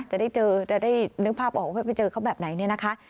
จะได้นึกภาพออกไปเจอเขาแบบไหน